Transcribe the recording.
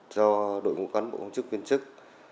do đội ngũ cán bộ công chức viên chức